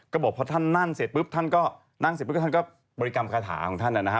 ก็บอกพอท่านนั่งเสร็จปุ๊บท่านก็นั่งเสร็จปุ๊บท่านก็บริกรรมคาถาของท่านนะฮะ